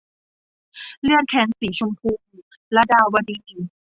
เลือดแค้นสีชมพู - ลดาวดี